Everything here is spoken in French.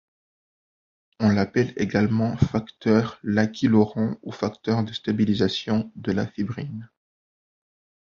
On l'appelle également facteur Laki-Lorand ou facteur de stabilisation de la fibrine.